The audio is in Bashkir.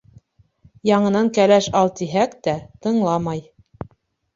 Яңынан кәләш ал тиһәк тә, тыңламай.